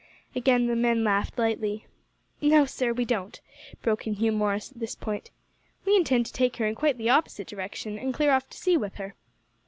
Again the men laughed lightly. "No, sir, we don't," broke in Hugh Morris at this point, "we intend to take her in quite the opposite direction, and clear off to sea with her."